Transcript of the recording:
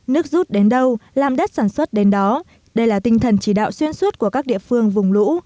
nước rút đến đâu làm đất sản xuất đến đó đây là tinh thần chỉ đạo xuyên suốt của các địa phương vùng lũ